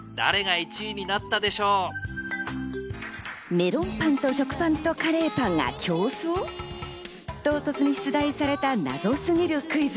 メロンパンと食パンとカレーパンが競争？と唐突に出題された謎すぎるクイズ。